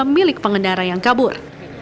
milik pengendara yang kabur